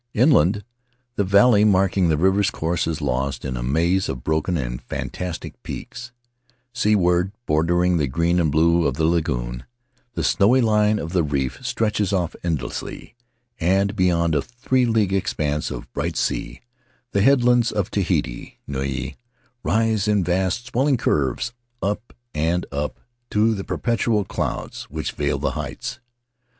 Inland, the valley marking the river's course is lost in a maze of broken and fantastic peaks; seaward, bordering the green and blue of the lagoon, the snowy line of the reef stretches off endlessly; and beyond a three league expanse of bright sea the headlands of Tahiti Nui rise in vast, swelling curves, up and up to the perpetual clouds which veil the heights.